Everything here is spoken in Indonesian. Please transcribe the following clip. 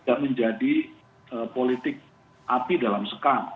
supaya tidak menjadi politik api dalam sekat